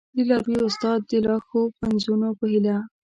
د لاروي استاد د لا ښو پنځونو په هیله!